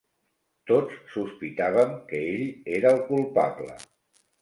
Tots sospitàvem que ell era el culpable.